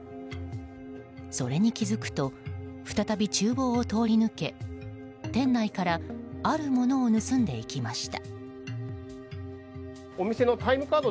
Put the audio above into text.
それに気づくと再び厨房を通り抜け店内からあるものを盗んでいきました。